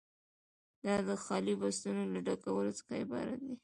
دا د خالي بستونو له ډکولو څخه عبارت دی.